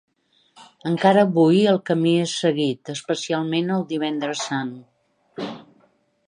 Encara avui, el camí és seguit, especialment el Divendres Sant.